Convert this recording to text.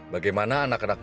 bagaimana anak anak kelasnya